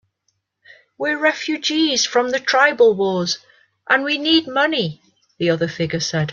"We're refugees from the tribal wars, and we need money," the other figure said.